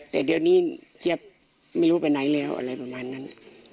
แต่เดี๋ยวนี้เจี๊ยบไม่รู้ไปไหนแล้วอะไรประมาณนั้น